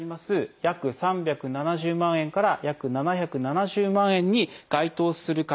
約３７０万円から約７７０万円に該当する方。